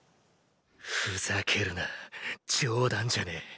ふざけるな冗談じゃねぇ。